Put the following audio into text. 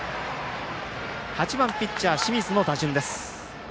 ８番ピッチャー、清水の打順です。